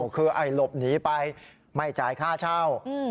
คือไอ้หลบหนีไปไม่จ่ายค่าเช่า